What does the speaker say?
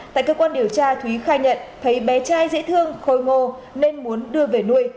tại cơ quan điều tra thúy khai nhận thấy bé trai dễ thương khôi ngô nên muốn đưa về nuôi